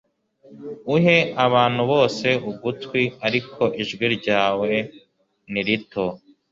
uhe abantu bose ugutwi, ariko ijwi ryawe ni rito